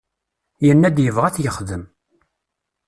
Yenna-d yebɣa ad t-yexdem.